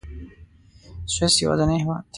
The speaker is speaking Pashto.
سویس یوازینی هېواد دی.